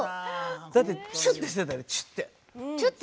だってチュッてしてたよチュッて。